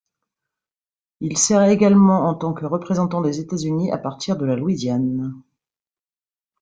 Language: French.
Il sert également en tant que représentant des États-Unis à partir de la Louisiane.